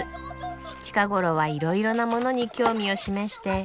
近頃はいろいろなものに興味を示して。